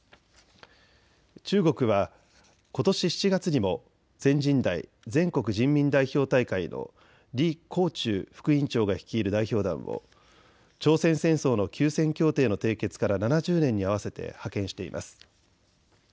中国はことし７月にも全人代・全国人民代表大会の李鴻忠副委員長が率いる代表団を朝鮮戦争の休戦協定の締結から７０年に合わせて派遣しています。